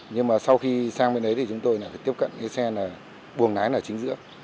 nhưng mà sau khi sang bên đấy thì chúng tôi đã tiếp cận cái xe buồng lái là chính giữa